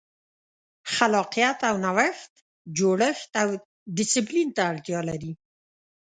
خلاقیت او نوښت جوړښت او ډیسپلین ته اړتیا لري.